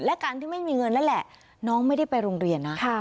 และการที่ไม่มีเงินนั่นแหละน้องไม่ได้ไปโรงเรียนนะ